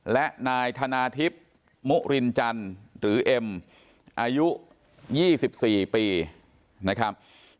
และนายธนาทิพย์มุรินจันทร์หรือเอ็มอายุ๒๔ปีนะครับ